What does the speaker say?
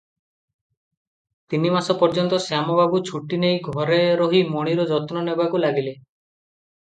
ତିନିମାସ ପର୍ଯ୍ୟନ୍ତ ଶ୍ୟାମବାବୁ ଛୁଟି ନେଇ ଘରେ ରହି ମଣିର ଯତ୍ନ ନେବାକୁ ଲାଗିଲେ ।